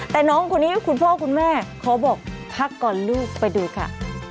แต่น้องคนนี้คุณพ่อคุณแม่ขอบอกพักก่อนลูกไปดูค่ะ